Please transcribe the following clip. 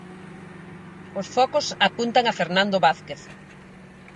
Os focos apuntan a Fernando Vázquez.